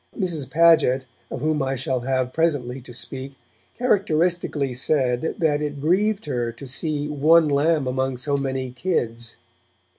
Mrs. Paget, of whom I shall have presently to speak, characteristically said that it grieved her to see 'one lamb among so many kids'.